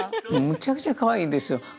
むちゃくちゃかわいいですよ。